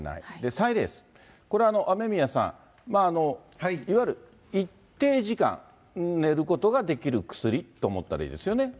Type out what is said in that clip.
サイレース、これは雨宮さん、いわゆる一定時間寝ることができる薬と思ったらいいですよね。